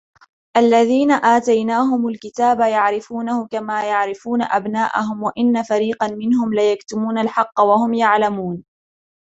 الذين آتيناهم الكتاب يعرفونه كما يعرفون أبناءهم وإن فريقا منهم ليكتمون الحق وهم يعلمون